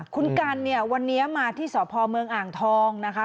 คุณกันเนี่ยวันนี้มาที่สพเมืองอ่างทองนะคะ